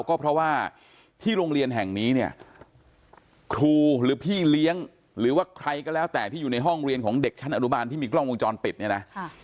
ก็เพราะว่าที่โรงเรียนแห่งนี้เนี่ยครูหรือพี่เลี้ยงหรือว่าใครก็แล้วแต่ที่อยู่ในห้องเรียนของเด็กชั้นอนุบาลที่มีกล้องวงจรปิดเนี่ยนะ